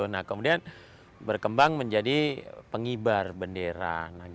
nah kemudian berkembang menjadi pengibar bendera